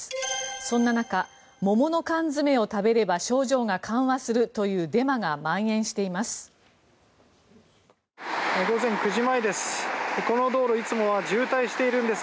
そんな中、桃の缶詰を食べれば症状が緩和するというデマがまん延しています。